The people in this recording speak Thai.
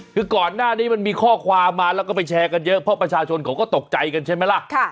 คือก่อนหน้านี้มันมีข้อความมาแล้วก็ไปแชร์กันเยอะเพราะประชาชนเขาก็ตกใจกันใช่ไหมล่ะ